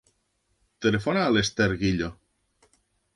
Telefona a l'Esther Guillo.